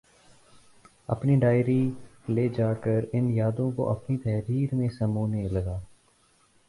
اپنی ڈائری لے جا کر ان یادوں کو اپنی تحریر میں سمونے لگا